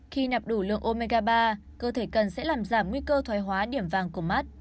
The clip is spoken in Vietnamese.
khi nạp đủ lượng omega ba cơ thể cần sẽ làm giảm nguy cơ thoái hóa điểm vàng của mart